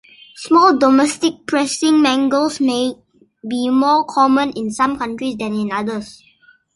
Small domestic pressing mangles may be more common in some countries than in others.